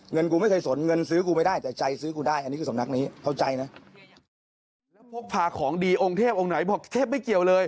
เงินกูไม่เคยสนเงินซื้อกูไม่ได้แต่ใจซื้อกูได้